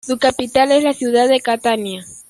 Su capital es la ciudad de Catania.